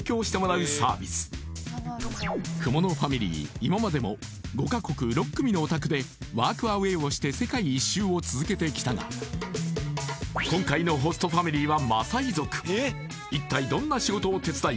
今までも５カ国６組のお宅でワークアウェイをして世界一周を続けてきたが今回の一体どんな仕事を手伝い